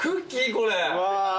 これ。